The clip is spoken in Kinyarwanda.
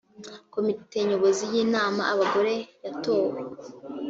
komite nyobozi y’inama abagore yatowe